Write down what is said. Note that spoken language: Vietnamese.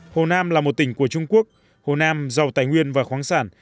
hồ nam là một tỉnh của trung quốc hồ nam giàu tài nguyên và khoáng sản